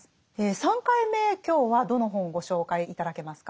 ３回目今日はどの本をご紹介頂けますか？